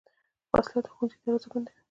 وسله د ښوونځي دروازې بندوي